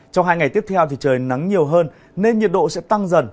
trong hai ngày tiếp theo thì trời nắng nhiều hơn nên nhiệt độ sẽ tăng dần